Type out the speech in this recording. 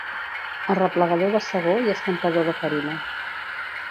Arreplegador de segó i escampador de farina.